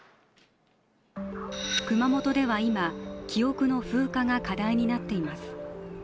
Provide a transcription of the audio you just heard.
熊本では今、記憶の風化が課題になっています。